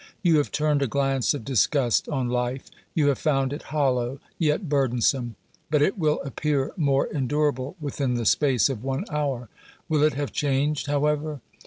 You have turned a glance of disgust on life; you have found it hollow, yet burdensome. But it will appear more endurable within the space of one hour. Will it have changed, however?